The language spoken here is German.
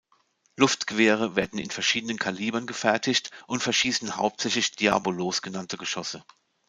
Luftgewehre werden in verschiedenen Kalibern gefertigt und verschießen hauptsächlich „Diabolos“ genannte Geschosse.